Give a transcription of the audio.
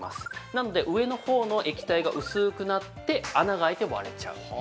なので、上のほうの液体が薄くなって穴があいて割れちゃう。